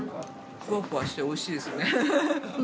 ふわふわしておいしいですね。